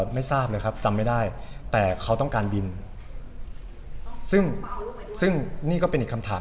ไม่ทราบเลยครับจำไม่ได้แต่เขาต้องการบินซึ่งซึ่งนี่ก็เป็นอีกคำถาม